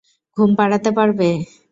ঘুম পাড়াতে পারবে?